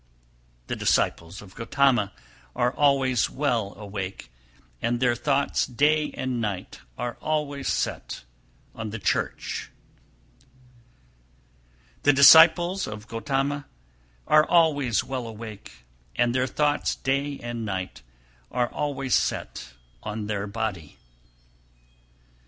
298. The disciples of Gotama are always well awake, and their thoughts day and night are always set on the church. 299. The disciples of Gotama are always well awake, and their thoughts day and night are always set on their body.